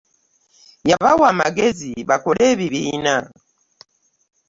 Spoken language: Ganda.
Yabawa amagezi bakole ebibiina.